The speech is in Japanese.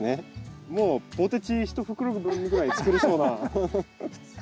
もうポテチ一袋分ぐらい作れそうな。